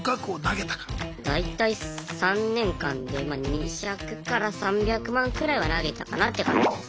大体３年間で２００３００万くらいは投げたかなって感じです。